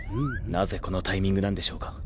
なぜこのタイミングなんでしょうか？